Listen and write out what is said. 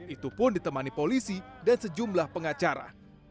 itu pun ditemani polisi dan sejumlah pengacara